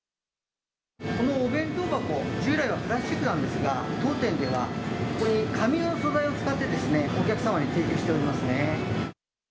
このお弁当箱、従来はプラスチックなんですが、当店ではこれに紙の素材を使ってですね、お客様に提供しておりますね。